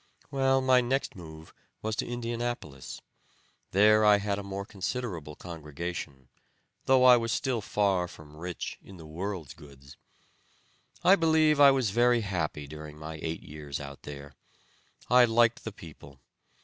Well, my next move was to Indianapolis. There I had a more considerable congregation, though I was still far from rich in the world's goods. I believe I was very happy during my eight years out there. I liked the people.